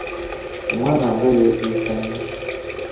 Omwana nga yeekyusa nnyo!